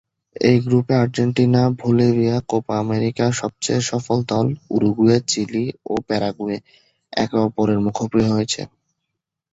এই গ্রুপে Argentina, Bolivia, Copa আমেরিকার সবচেয়ে সফল দল উরুগুয়ে, চিলি এবং প্যারাগুয়ে একে অপরের মুখোমুখি হয়েছে।